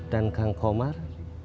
dan kang komar